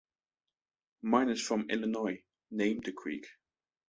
Miners from Illinois named the creek.